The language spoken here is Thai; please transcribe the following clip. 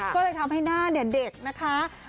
ก็เลยทำให้หน้าเด็กนะคะ